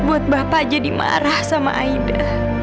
buat bapak jadi marah sama aida